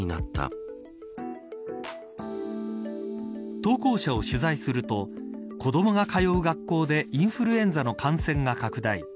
投稿者を取材すると子どもが通う学校でインフルエンザの感染が拡大。